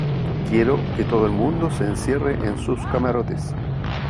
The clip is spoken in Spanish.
quiero que todo el mundo se encierre en sus camarotes